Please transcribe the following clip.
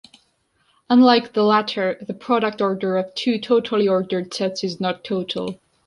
Unlike the latter, the product order of two totally ordered sets is not total.